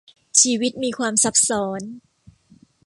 ชีวิตมีความซับซ้อน